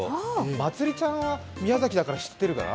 まつりちゃんは宮崎だから知ってるかな？